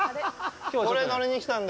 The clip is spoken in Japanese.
これ乗りに来たんで。